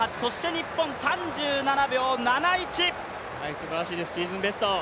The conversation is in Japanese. すばらしいですシーズンベスト。